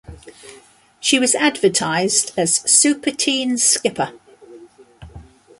She was advertised as "Super Teen Skipper".